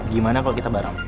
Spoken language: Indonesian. gimana kalau kita bareng